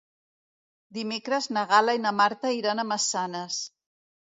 Dimecres na Gal·la i na Marta iran a Massanes.